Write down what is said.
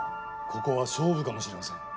ここは勝負かもしれません。